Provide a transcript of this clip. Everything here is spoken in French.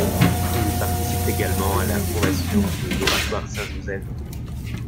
Il participe également à la fondation de l'oratoire Saint-Joseph.